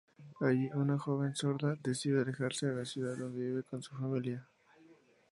Ally, una joven sorda, decide alejarse de la ciudad donde vive con su familia.